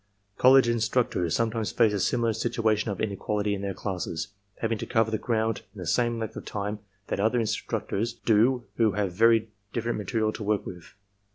College instructors sometimes face a similar situation of inequality in their classes, having to cover the ground in the same length of time that other instructors do who have very different material to work with.